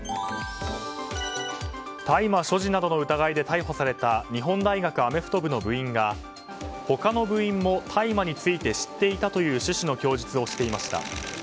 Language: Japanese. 大麻所持などの疑いで逮捕された日本大学アメフト部の部員が他の部員も大麻について知っていたという趣旨の供述をしていました。